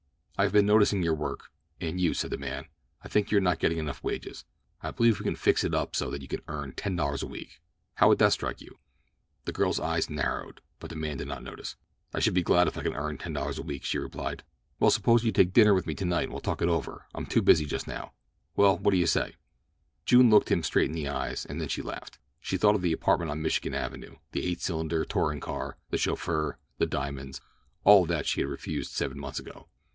"I have been noticing your work—and you," said the man. "I think that you are not getting enough wages. I believe that we can fix it up so that you can earn ten dollars a week—how would that strike you?" The girl's eyes narrowed, but the man did not notice. "I should be glad if I could earn ten dollars a week," she replied. "Well, suppose you take dinner with me tonight and we'll talk it over—I'm too busy just now. Well, what do you say?" June looked him straight in the eyes, and then she laughed. She thought of the apartment on Michigan Avenue, the eight cylinder touring car, the chauffeur, the diamonds—of all that she had refused seven months ago.